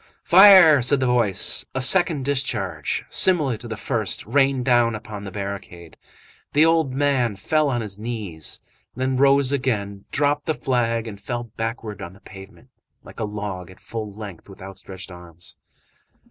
"Fire!" said the voice. A second discharge, similar to the first, rained down upon the barricade. The old man fell on his knees, then rose again, dropped the flag and fell backwards on the pavement, like a log, at full length, with outstretched arms.